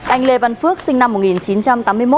anh lê văn phước sinh năm một nghìn chín trăm tám mươi một